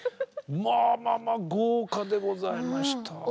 まあまあまあ豪華でございました。